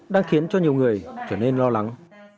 đang khiến cho nhiều người trở nên lo lắng